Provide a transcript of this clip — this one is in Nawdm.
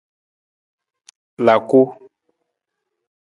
Laku.